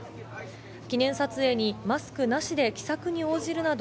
記念撮影にマスクなしで気さくに応じるなど、